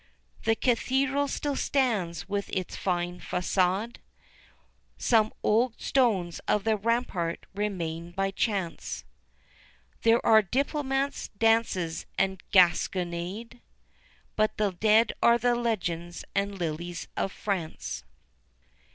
The Cathedral still stands with its fine façade; Some old stones of the rampart remain by chance; There are diplomats, dances, and gasconade But dead are the legends and lilies of France.